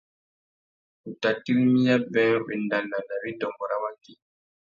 Tu tà tirimiya being wendana na widôngô râ waki.